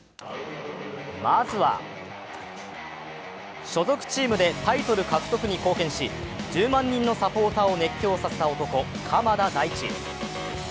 まずは所属チームでタイトル獲得に貢献し１０万人のサポーターを熱狂させた男、鎌田大地。